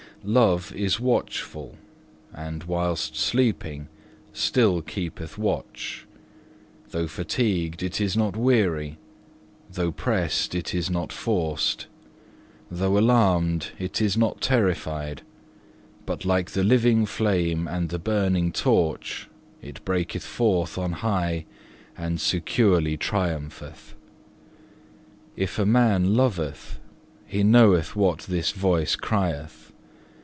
5. Love is watchful, and whilst sleeping still keepeth watch; though fatigued it is not weary, though pressed it is not forced, though alarmed it is not terrified, but like the living flame and the burning torch, it breaketh forth on high and securely triumpheth. If a man loveth, he knoweth what this voice crieth.